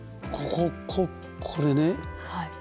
こここれね。